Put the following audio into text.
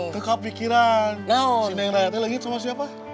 kepikiran si neng raya teh lagi sama siapa